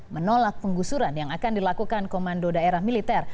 menolak penggusuran yang akan dilakukan komando daerah militer